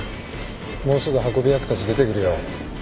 もうすぐ運び役たち出てくるよ。